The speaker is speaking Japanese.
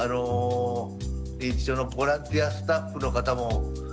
認知症のボランティアスタッフの方も生き生きとね